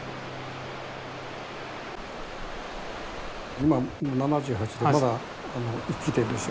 今７８でまだ生きてるでしょ。